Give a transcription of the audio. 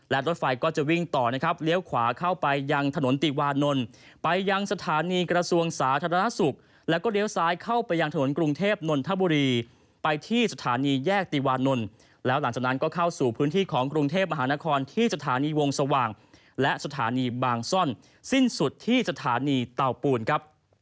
และรถไฟก็จะวิ่งต่อนะครับเลี้ยวขวาเข้าไปยังถนนติวานนท์ไปยังสถานีกระทรวงสาธารณสุขแล้วก็เลี้ยวซ้ายเข้าไปยังถนนกรุงเทพนนทบุรีไปที่สถานีแยกติวานนท์แล้วหลังจากนั้นก็เข้าสู่พื้นที่ของกรุงเทพมหานครที่สถานีวงสว่างและสถานีบางซ่อนสิ้นสุดที่สถานีเตาปูนครับ